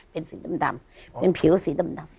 เป็นสีดำเป็นผิวสีดำ